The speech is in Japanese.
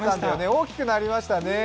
大きくなりましたね。